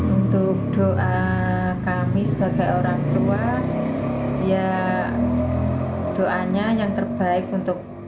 untuk doa kami sebagai orang tua ya doanya yang terbaik untuk